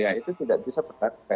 ya itu tidak bisa berharga